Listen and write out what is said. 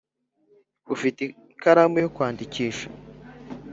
ufite ikaramu yokwandikisha